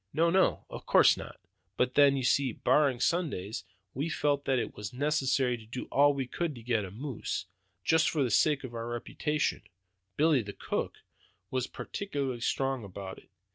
"No, no, of course not; but then, you see, barring Sundays, we felt that it was necessary to do all we could to get a moose, just for the sake of our reputations. Billy, the cook, was particularly strong about it.